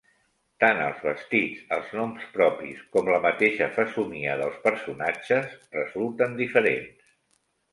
Tant els vestits, els noms propis, com la mateixa fesomia dels personatges resulten diferents.